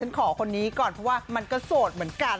ขอคนนี้ก่อนเพราะว่ามันก็โสดเหมือนกัน